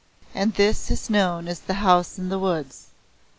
And this is known as the House in the Woods.